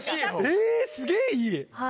えすげぇいい！